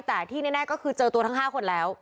แต่ที่แน่ก็คือเจอตัวทั้ง๕คนแล้ว